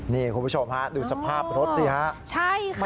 นี่คุณผู้ชมฮะดูสภาพรถสิฮะใช่ค่ะ